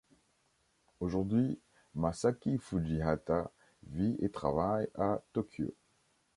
Aujourd'hui Masaki Fujihata vit et travaille à Tokyo.